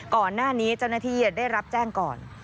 ก่อนหน้านี้เจ้าหน้าที่ได้รับแจ้งก่อน